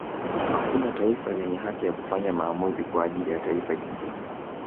Hakuna taifa lenye haki ya kufanya maamuzi kwa ajili ya taifa jingine